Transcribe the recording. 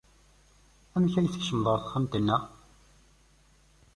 Amek ay tkecmeḍ ɣer texxamt-nteɣ?